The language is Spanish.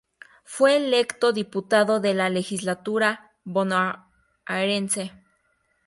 Fue electo diputado de la legislatura bonaerense.